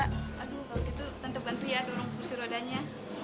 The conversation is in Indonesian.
aduh kalau begitu tante bantu ya dorong bersih rodanya